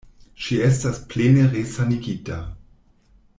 Ŝi estas plene resanigita.